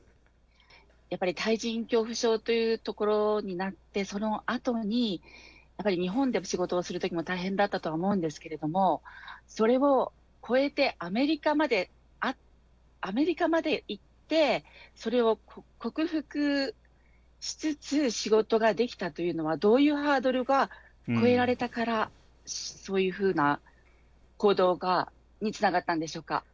やっぱり対人恐怖症というところになってそのあとに日本で仕事をする時も大変だったと思うんですけれどもそれを越えてアメリカまで行ってそれを克服しつつ仕事ができたというのはどういうハードルが越えられたからそういうふうな行動につながったんでしょうか？